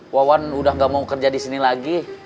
wan wan udah gak mau kerja di sini lagi